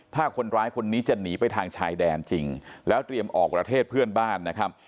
ถ้าคนร้ายคนนี้จะหนีไปทางชายแดนจริงแล้วเตรียมออกประเทศเพื่อนบ้านนะครับ